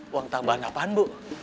uang tambahan apaan bu